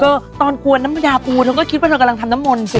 ก็ตอนกลัวนำยะปูเธอก็คิดว่าเธอกำลังทำน้ำมนสิ